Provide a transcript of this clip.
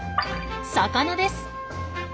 魚です。